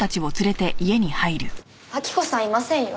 晃子さんいませんよ。